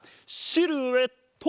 シルエット！